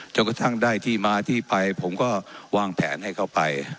จนกระทั่งได้ที่มาที่ไปผมก็วางแผนให้เข้าไป